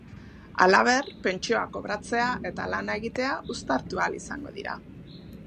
Halaber, pentsioa kobratzea eta lana egitea uztartu ahal izango dira.